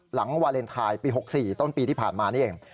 วาเลนไทยปี๖๔ต้นปีที่ผ่านมานี่เอง